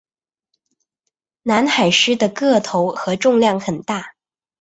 南海狮的个头和重量很大。